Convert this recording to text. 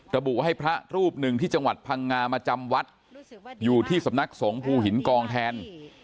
ระบุให้พระรูปหนึ่งที่จังหวัดพังงามาจำวัดอยู่ที่สำนักสงภูหินกองแทน